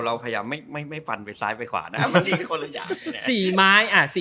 เราพยายามไม่ฟันไปซ้ายไปขวาได้มันดีกับคนละอย่าง